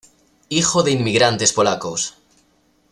Hijo de inmigrantes polacos.